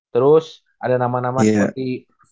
terus ada nama nama seperti